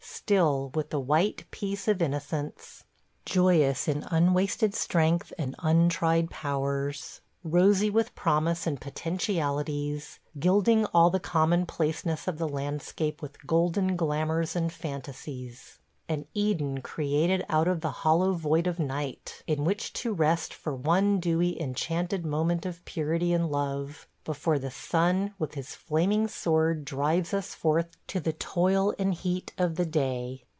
.. still, with the white peace of innocence ... joyous in unwasted strength and untried powers ... rosy with promise and potentialities, gilding all the commonplaceness of the landscape with golden glamours and fantasies ... an Eden created out of the hollow void of night, in which to rest for one dewy, enchanted moment of purity and love before the sun with his flaming sword drives us forth to the toil and heat of the day!